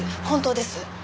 本当です。